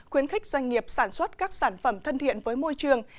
khuyến khích doanh nghiệp sản xuất các sản phẩm thân thiện với môi trường